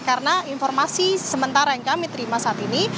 karena informasi sementara yang kami terima saat ini